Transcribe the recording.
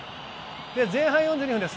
前半４２分です。